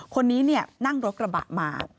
คนนี้นั่งรถกระบะมา